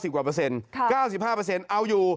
๙๐กว่า๙๕เอาอยู่